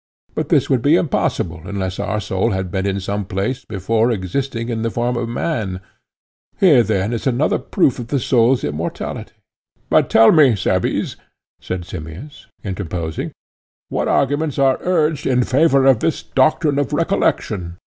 But this would be impossible unless our soul had been in some place before existing in the form of man; here then is another proof of the soul's immortality. But tell me, Cebes, said Simmias, interposing, what arguments are urged in favour of this doctrine of recollection.